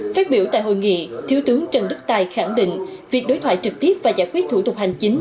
phát biểu tại hội nghị thiếu tướng trần đức tài khẳng định việc đối thoại trực tiếp và giải quyết thủ tục hành chính